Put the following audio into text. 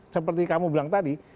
seperti kamu bilang tadi